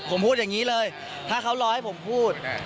ผมพูดอย่างนี้เลยถ้าเขารอให้ผมพูด